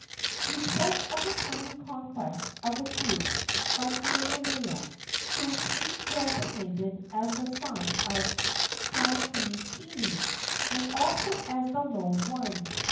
He spoke of the coming conquest of the group by Kamehameha, whom he designated as the son of Kahekili, and also as "the lone one."